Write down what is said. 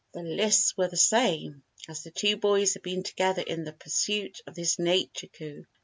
The lists were the same, as the two boys had been together in the pursuit of this Nature coup.